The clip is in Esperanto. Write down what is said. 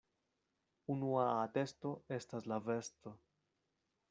Unua atesto estas la vesto.